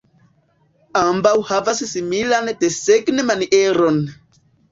Ambaŭ havas similan desegn-manieron.